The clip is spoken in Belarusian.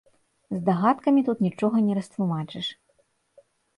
Здагадкамі тут нічога не растлумачыш.